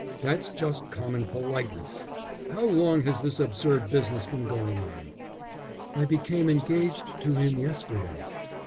That's just common politeness.... How long has this absurd business been going on?" "I became engaged to him yesterday."